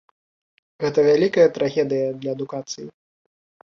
Гэта вялікая трагедыя для адукацыі.